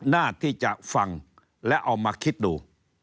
หน้าที่จะฟังและเอามาคิดดู